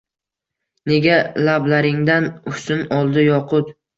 Nega lablaringdan husn oldi yoqut